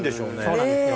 そうなんですよ